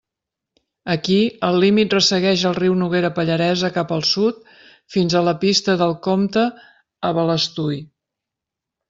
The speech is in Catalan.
Aquí, el límit ressegueix el riu Noguera Pallaresa cap al sud fins a la pista del Compte a Balestui.